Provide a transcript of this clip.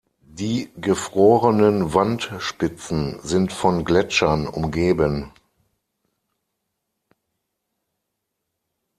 Die Gefrorenen-Wand-Spitzen sind von Gletschern umgeben.